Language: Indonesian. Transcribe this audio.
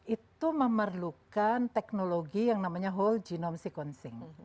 itu memerlukan teknologi yang namanya whole genome sequencing